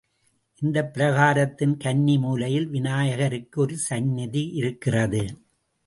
இந்தப் பிரகாரத்தின் கன்னி மூலையில் விநாயகருக்கு ஒரு சந்நிதியிருக்கிறது.